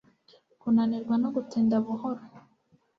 Kunanirwa no gutinda buhoro